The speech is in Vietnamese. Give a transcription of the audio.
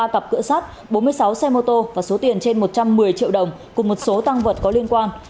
ba cặp cửa sát bốn mươi sáu xe mô tô và số tiền trên một trăm một mươi triệu đồng cùng một số tăng vật có liên quan